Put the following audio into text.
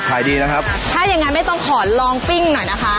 ถ้าอย่างนั้นไม่ต้องขอลองปิ้งหน่อยนะคะ